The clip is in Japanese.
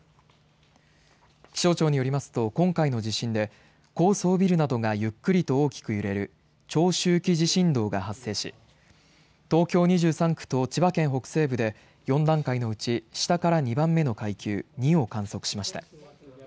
気象庁によりますと今回の地震で高層ビルなどがゆっくりと大きく揺れる長周期地震動が発生し県東京２３区と千葉県北西部で４段階のうち下から２番目の階級２を観測しました。